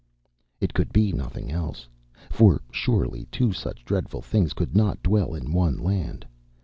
It could be nothing else, for surely two such dreadful things could not dwell in one land.